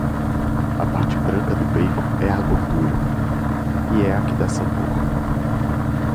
A parte branca do bacon é a gordura, e é a que dá sabor.